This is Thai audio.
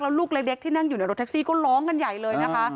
ลูกเล็กที่นั่งอยู่ในรถแท็กซี่ก็ร้องกันใหญ่เลยนะคะ